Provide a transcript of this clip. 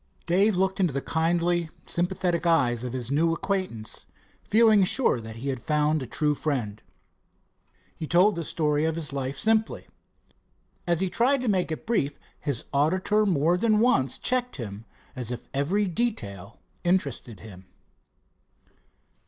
Dave looked into the kindly, sympathetic eyes of his new acquaintance feeling sure that he had found a true friend. He told the story of his life simply. As he tried to make it brief, his auditor more than once checked him as if every detail interested him.